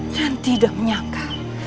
dan tidak menyangka